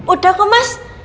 udah kok mas